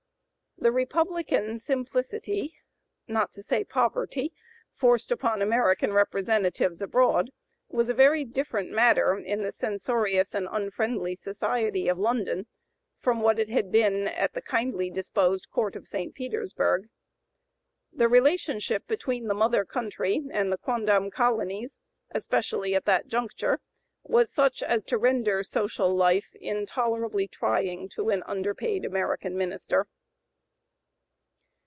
The republican simplicity, not to say poverty, forced upon American representatives abroad, was a very different matter in the censorious and unfriendly society of London from what it had been at the kindly disposed Court of St. Petersburg. The relationship between the mother country and the quondam colonies, especially at that juncture, was such as to render social life intolerably trying to an under paid American minister.